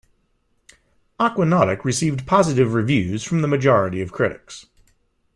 "Aquanautic" received positive reviews from the majority of critics.